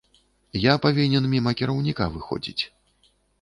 Я павінен міма кіраўніка выходзіць.